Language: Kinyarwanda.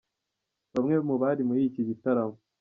Bamwe mu bari muri iki gitaramo.